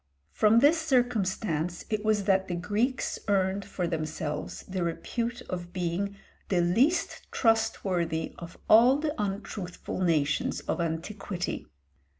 From this circumstance it was that the Greeks earned for themselves the repute of being the least trustworthy of all the untruthful nations of antiquity.